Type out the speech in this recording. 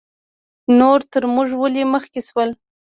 نور تر موږ ولې مخکې شول؟